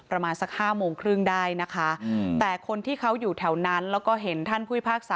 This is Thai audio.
ระมสักห้ามองครึ่งได้นะคะมแต่คนที่เขาอยู่แถวนั้นแล้วก็เห็นท่านพศ